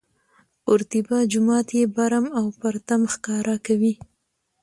قورطیبه جومات یې برم او پرتم ښکاره کوي.